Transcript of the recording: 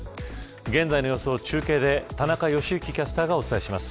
現在の様子を中継で田中良幸キャスターがお伝えします。